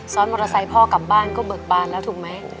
ซ้อนมอเตอร์ไซค์พ่อกลับบ้านก็เบิกบานแล้วถูกไหม